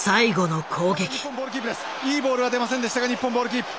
いいボールは出ませんでしたが日本ボールキープ。